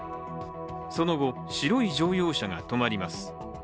その後、白い乗用車が止まります。